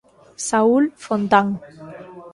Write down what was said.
Saúl Fontán.